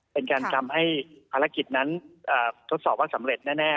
เป็นการทำให้ภารกิจนั้นทดสอบว่าสำเร็จแน่